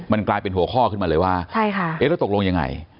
มันกลายเป็นหัวข้อขึ้นมาเลยว่าเราตกลงอย่างไร